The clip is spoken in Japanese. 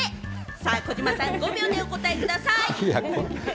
さぁ児嶋さん、５秒でお答えください。